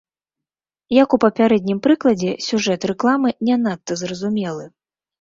Як у папярэднім прыкладзе, сюжэт рэкламы не надта зразумелы.